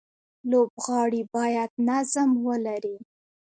لوبغاړي باید نظم ولري.